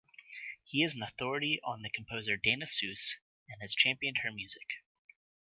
He is an authority on the composer Dana Suesse and has championed her music.